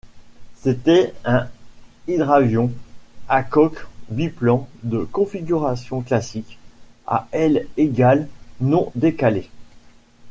C'était un hydravion à coque biplan de configuration classique, à ailes égales non décalées.